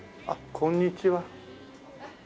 こんにちは。